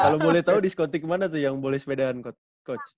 kalau boleh tahu diskotik mana tuh yang boleh sepedaan coach